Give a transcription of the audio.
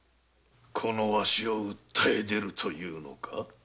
このワシを訴え出ると言うのか。